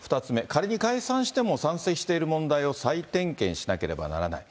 仮に解散しても山積している問題を再点検しなければならない。